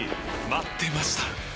待ってました！